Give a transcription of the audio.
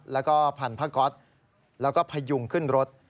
และพั่นพระคอตและภายุงขึ้นรถ